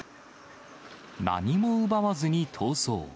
何も奪わずに逃走。